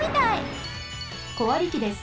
小割機です。